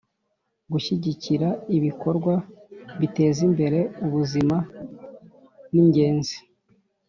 Gushyigikira ibikorwa biteza imbere ubuzima ni ingenzi